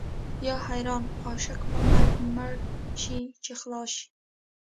یا حیران عاشق په مرګ مړ شي چې خلاص شي.